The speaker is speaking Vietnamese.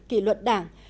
kỷ luật đảng